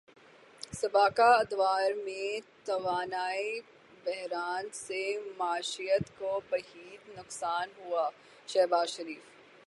سابقہ ادوار میں توانائی بحران سے معیشت کو بیحد نقصان ہوا شہباز شریف